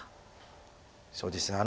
そうですね